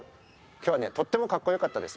きょうはね、とってもかっこよかったです。